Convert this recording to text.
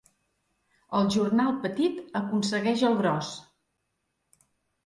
El jornal petit aconsegueix el gros.